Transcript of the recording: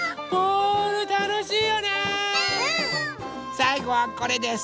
さいごはこれです。